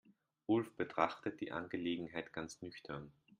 Ulf betrachtet die Angelegenheit ganz nüchtern.